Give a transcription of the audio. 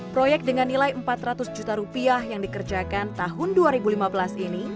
proyek dengan nilai empat ratus juta rupiah yang dikerjakan tahun dua ribu lima belas ini